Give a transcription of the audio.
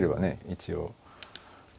一応。